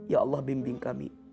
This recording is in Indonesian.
ya allah bimbing kami